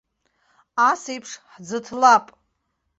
Асеиԥш ҳӡыҭлап.